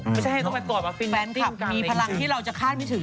ไม่ใช่ให้ต้องไปกอดมาฟินแฟนคลับมีพลังที่เราจะคาดไม่ถึง